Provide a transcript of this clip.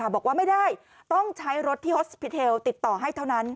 บอกว่าไม่ได้ต้องใช้รถที่ฮอสพิเทลติดต่อให้เท่านั้น